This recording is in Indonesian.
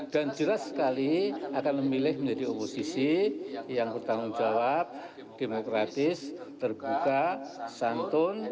dan jelas sekali akan memilih menjadi oposisi yang bertanggung jawab demokratis terbuka santun